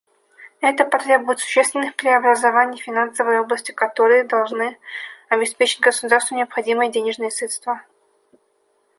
Это потребует существенных преобразований в финансовой области, которые должны обеспечить государству необходимые денежные средства.